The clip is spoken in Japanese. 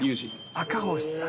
赤星さん。